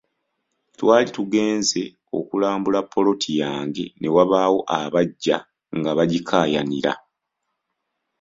Twali tugenze okulambula ppoloti yange ate ne wabaawo abajja nga bagikaayanira.